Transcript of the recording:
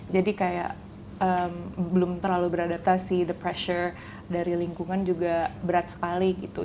jadi kayak belum terlalu beradaptasi the pressure dari lingkungan juga berat sekali gitu